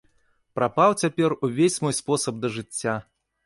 Прапаў цяпер увесь мой спосаб да жыцця.